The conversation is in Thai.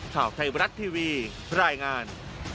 ข่าวไทยบรัฐทีวีรายงาน